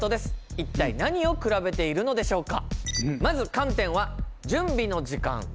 一体何を比べているのでしょうか？